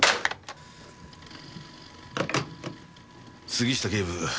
杉下警部。